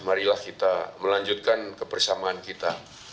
marilah kita melanjutkan kebersamaan kita